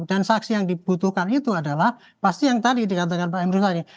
dan saksi yang dibutuhkan itu adalah pasti yang tadi dikatakan pak emro tadi